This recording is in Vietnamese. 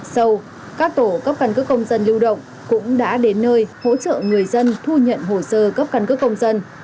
sâu các tổ cấp căn cứ công dân lưu động cũng đã đến nơi hỗ trợ người dân thu nhận hồ sơ cấp căn cứ công dân